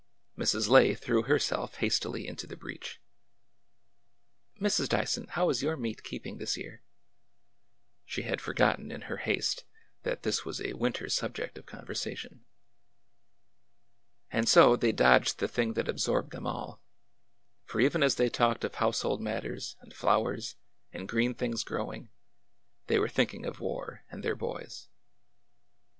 Mrs. Lay threw herself hastily into the breach. "Mrs. Dyson, how is your meat keeping this year?" She had forgotten, in her haste, that this was a winter subject of conversation. And so they dodged the thing that absorbed them all ; for even as they talked of household matters, and flowers, and green things growing, they were thinking of war and their boys.